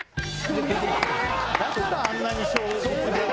だからあんなに勝率が。